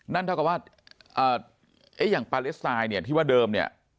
นั่นเท่ากับว่าอย่างปาเลสไตน์เนี่ยที่ว่าเดิมเนี่ย